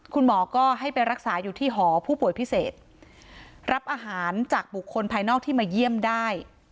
คุณหมอก็ให้ไปรักษาอยู่ที่หอผู้ป่วยพิเศษรับอาหารจากบุคคลภายนอกที่มาเยี่ยมได้